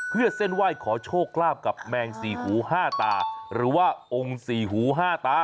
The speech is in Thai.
เพื่อเส้นไหว้ขอโชคลาภกับแมงสี่หูห้าตาหรือว่าองค์สี่หูห้าตา